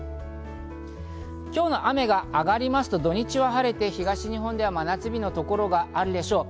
今日の雨が上がりますと土日は晴れて東日本では真夏日のところがあるでしょう。